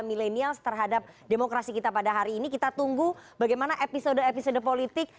milenials terhadap demokrasi kita pada hari ini kita tunggu bagaimana episode episode politik